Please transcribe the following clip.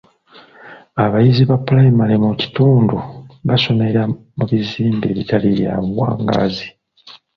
Abayizi ba pulayimale mu kitundu basomera mu bizimbe ebitali bya buwangaazi.